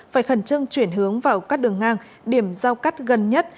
phải khẩn trưng chuyển hướng vào các đường ngang điểm giao cắt gần nhất